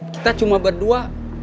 kita cuma berdua